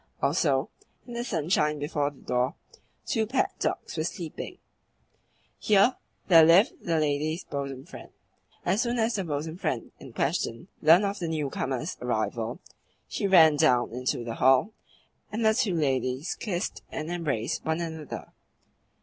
Also, in the sunshine before the door two pet dogs were sleeping. Here there lived the lady's bosom friend. As soon as the bosom friend in question learnt of the newcomer's arrival, she ran down into the hall, and the two ladies kissed and embraced one another.